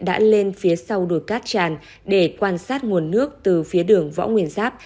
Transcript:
đã lên phía sau đồi cát tràn để quan sát nguồn nước từ phía đường võ nguyên giáp